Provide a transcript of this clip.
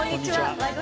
「ワイド！